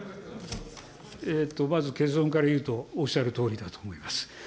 まず結論から言うと、おっしゃるとおりだと思います。